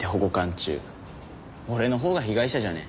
俺のほうが被害者じゃね？